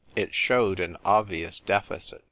It showed an obvious deficit.